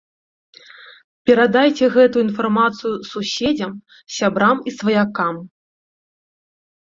Перадайце гэтую інфармацыю суседзям, сябрам і сваякам.